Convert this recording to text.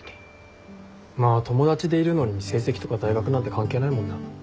まあ友達でいるのに成績とか大学なんて関係ないもんな。